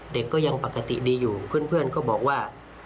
เด็กก็ยังปกติดีอยู่เพื่อนก็บอกว่า